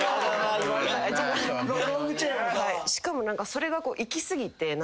しかもそれが行き過ぎて。